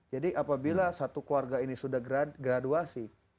jadi apabila satu keluarga ini sudah graduasi